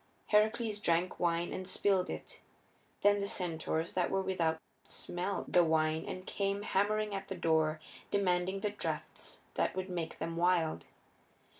Heracles drank wine and spilled it. Then the centaurs that were without smelt the wine and came hammering at the door, demanding the drafts that would make them wild.